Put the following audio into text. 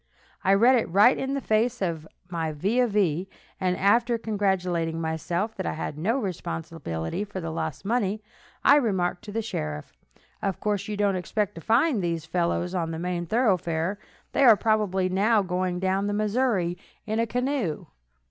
I read it right in the face of my vis a vis, and after congratulating myself that I had no responsibility for the lost money, I remarked to the sheriff: "Of course, you don't expect to find these fellows on the main thoroughfare. They are probably now going down the Missouri in a canoe."